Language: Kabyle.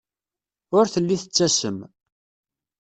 Ur telli tettasem.